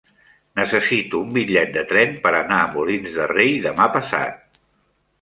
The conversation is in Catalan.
Necessito un bitllet de tren per anar a Molins de Rei demà passat.